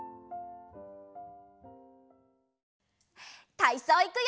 たいそういくよ！